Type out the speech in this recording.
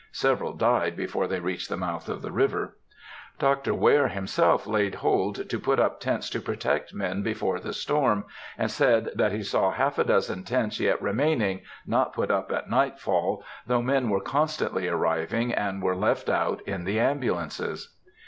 (Several died before they reached the mouth of the river.) Dr. Ware himself laid hold to put up tents to protect men before the storm, and said that he saw half a dozen tents yet remaining, not put up at nightfall, though men were constantly arriving, and were left out in the ambulances.